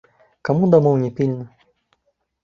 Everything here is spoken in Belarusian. Каму дамоў не пільна?